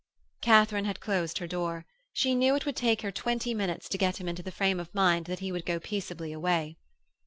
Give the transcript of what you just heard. Katharine had closed her door. She knew it would take her twenty minutes to get him into the frame of mind that he would go peaceably away.